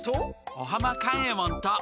尾浜勘右衛門と。